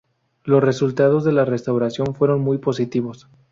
Los resultados de la restauración fueron muy positivos.